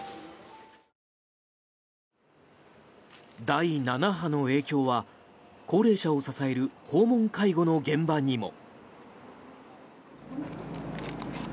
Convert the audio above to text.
第７波の影響は高齢者を支える訪問介護の現場にも。